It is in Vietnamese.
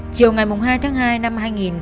chiều ngày hai tháng hai năm hai nghìn một mươi ba